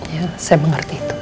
iya saya mengerti itu bu